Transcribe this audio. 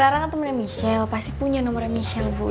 rara kan temennya michelle pasti punya nomernya michelle ibu ya kan